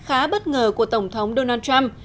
khá bất ngờ của tổng thống donald trump